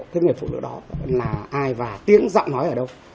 cái người phụ nữ đó là ai và tiếng giọng nói ở đâu